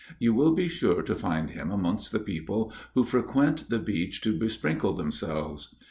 You will be sure to find him amongst the people who frequent the beach to besprinkle themselves.